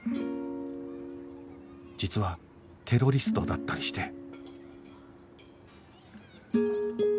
実はテロリストだったりして